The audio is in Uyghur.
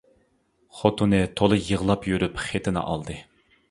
خوتۇنى تولا يىغلاپ يۈرۈپ خېتىنى ئالدى.